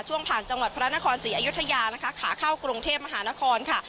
ผ่านจังหวัดพระนครศรีอยุธยานะคะขาเข้ากรุงเทพมหานครค่ะ